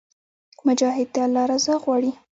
مجاهد د الله رضا غواړي.